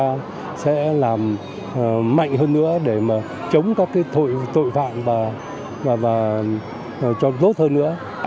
chúng ta sẽ làm mạnh hơn nữa để mà chống các cái tội phạm và cho tốt hơn nữa